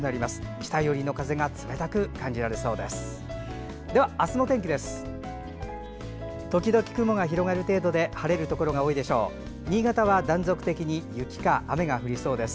北寄りの風が冷たく感じられそうです。